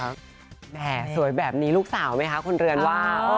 แหมสวยแบบนี้ลูกสาวไหมคะคุณเรือนว่า